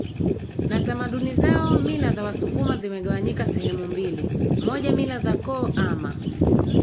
na tamaduni zaoMila za wasukuma zimegawanyika sehemu mbili MojaMila za koo ama